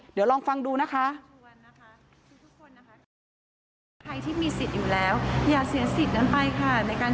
เดี๋ยวลองฟังดูนะคะ